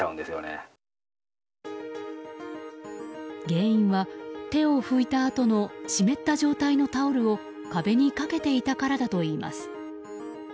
原因は手を拭いたあとの湿った状態のタオルを壁にかけていたからだといいます。